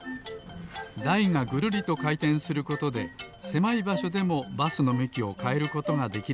だいがぐるりとかいてんすることでせまいばしょでもバスのむきをかえることができるのです。